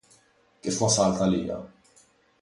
Kif wasalt għaliha?